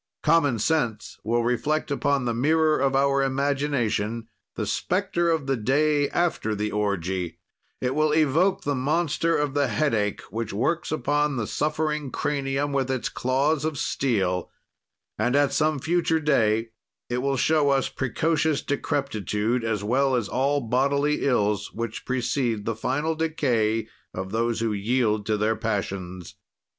"Common sense will reflect upon the mirror of our imagination the specter of the day after the orgy; it will evoke the monster of the headache which works upon the suffering cranium with its claws of steel; and, at some future day, it will show us precocious decrepitude as well as all bodily ills which precede the final decay of those who yield to their passions.